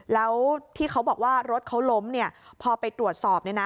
แล้วที่เขาบอกว่ารถเขาล้มเนี่ยพอไปตรวจสอบเนี่ยนะ